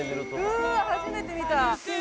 うわ初めて見た！